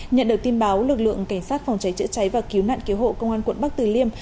nhận được tin báo lực lượng cảnh sát phòng cháy chữa cháy và cứu nạn cứu hộ công an quận bắc tử liêm